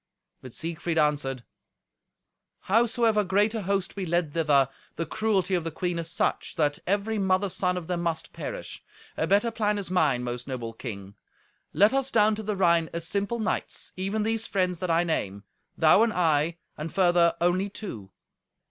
But Siegfried answered, "Howsoever great a host we led thither, the cruelty of the queen is such, that every mother's son of them must perish. A better plan is mine, most noble king. Let us down to the Rhine as simple knights, even these friends that I name. Thou and I, and, further, only two.